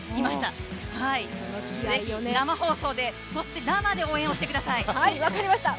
ぜひ生放送で、そして生で応援してください。